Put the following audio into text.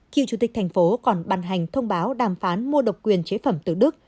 kiều chủ tịch thành phố còn bàn hành thông báo đàm phán mua độc quyền chế phẩm từ đức